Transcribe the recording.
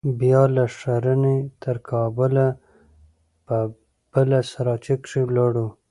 بيا له ښرنې تر کابله په بله سراچه کښې ولاړو.